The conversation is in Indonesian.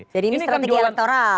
jadi ini strategi aktoral